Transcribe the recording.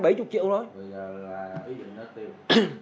bây giờ là ý định nó tiêu